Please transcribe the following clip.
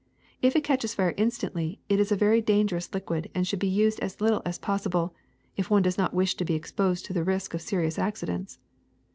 If it catches fire instantly it is a very dangerous liquid and should be used as little as possible, if one does not wish to be exposed to the risk of serious accidents.